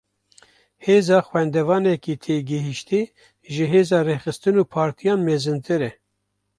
Hêza xwendevanekî têgihiştî, ji hêza rêxistin û partiyan mezintir e